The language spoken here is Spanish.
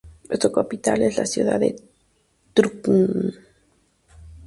Su capital es la ciudad de Trutnov.